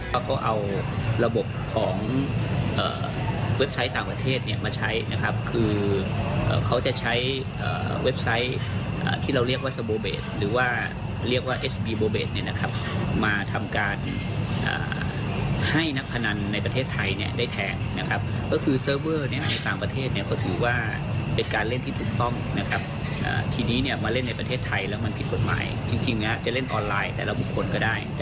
จากหลักฐานทางการเงินที่เจ้าหน้าที่ตรวจสอบเพิ่มเติมพบมีเงินหมุนเวียนในระบบไม่ต่ำกว่าวันละ๒ล้านบาท